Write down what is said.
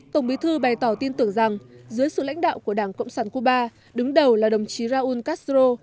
tổng bí thư bày tỏ tin tưởng rằng dưới sự lãnh đạo của đảng cộng sản cuba đứng đầu là đồng chí raúl castro